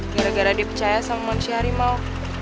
gara gara dia percaya sama manusia harimau